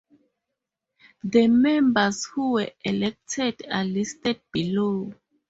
The members who were elected are listed below.